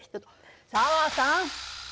紗和さん！